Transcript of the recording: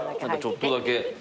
ちょっとだけ。